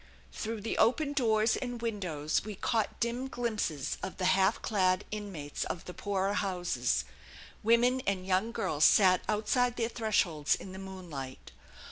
Through the open doors and windows we caught dim glimpses of the half clad inmates of the poorer houses; women and young girls sat outside their thresholds in the moonlight.